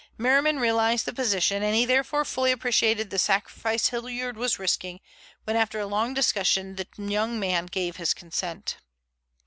Merriman realized the position, and he therefore fully appreciated the sacrifice Hilliard was risking when after a long discussion that young man gave his consent.